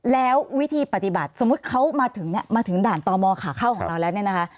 แล้ววิธีปฏิบัติสมมุติเขามาถึงด่านต่อมอขาเข้าของเราแล้วนี่นะคะ